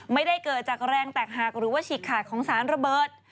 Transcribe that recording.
ไม่ได้เกิดจากแรงแตกหักหรือว่าฉีกขาดของสารระเบิด